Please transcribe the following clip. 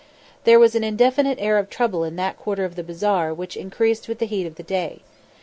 There was an indefinite air of trouble in that quarter of the bazaar which increased with the heat of the day.